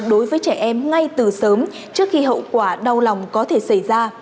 đối với trẻ em ngay từ sớm trước khi hậu quả đau lòng có thể xảy ra